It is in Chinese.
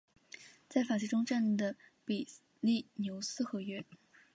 在法西终战的比利牛斯和约。